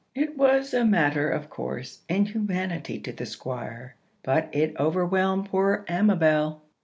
It was a matter of course and humanity to the Squire, but it overwhelmed poor Amabel.